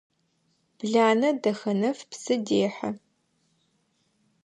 Бланэ Дахэнэф псы дехьы.